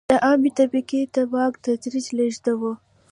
د عامې طبقې ته د واک تدریجي لېږد و.